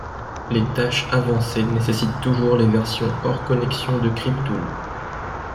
Les tâches avancées nécessitent toujours les versions hors connexion de CrypTool.